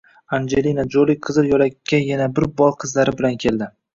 Anjelina Joli qizil yo‘lakka yana bir bor qizlari bilan keldi